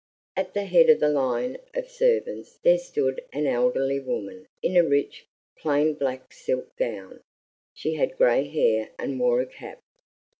At the head of the line of servants there stood an elderly woman in a rich, plain black silk gown; she had gray hair and wore a cap.